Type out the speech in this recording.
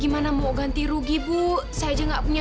maya mau ganti ruginya ya